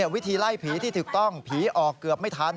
วิธีไล่ผีที่ถูกต้องผีออกเกือบไม่ทัน